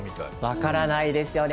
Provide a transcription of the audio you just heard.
分からないですよね。